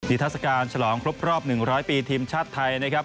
ดิทธสการฉลองครบ๑๐๐ปีทีมชาติไทยนะครับ